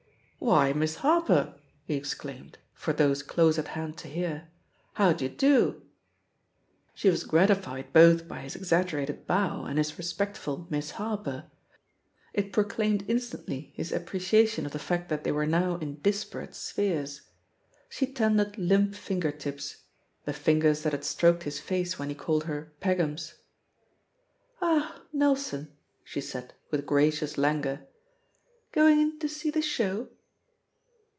"Why, Miss Harper 1" he exclaimed, for those dose at hand to hear, "how d'ye do?*' She was gratified both by his exaggerated bow and his respectful "Miss Harper" — ^it pro claimed instantly his appreciation of the fact that they were now in disparate spheres. She ten dered limp finger tips — ^the fingers that had stroked his face when he called her "Peggums.'* "Ah, Nelson I" she said, with gracious languor} "going in to see the show?'